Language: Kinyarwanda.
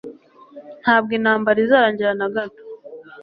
Ntabwo intambara izarangira nagato